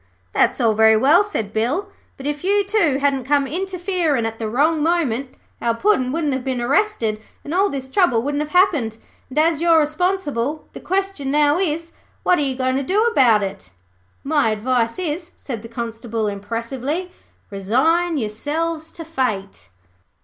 'That's all very well,' said Bill, 'but if you two hadn't come interferin' at the wrong moment, our Puddin' wouldn't have been arrested, and all this trouble wouldn't have happened. As you're responsible, the question now is, What are you going to do about it?' 'My advice is,' said the Constable, impressively, 'resign yourselves to Fate.'